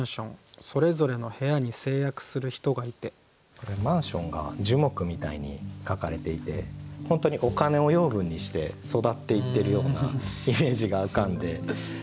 これマンションが樹木みたいに書かれていて本当にお金を養分にして育っていってるようなイメージが浮かんで。